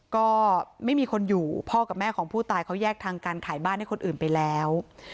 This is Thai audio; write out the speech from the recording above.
ก็ไม่มีคนอยู่พ่อกับแม่ของผู้ตายเขาแยกทางการขายบ้านให้คนอื่นไปแล้ว